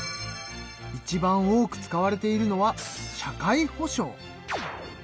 いちばん多く使われているのは社会保障。